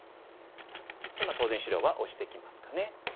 まあ当然白はオシてきますかね。